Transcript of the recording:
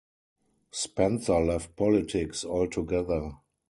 Spencer left politics altogether.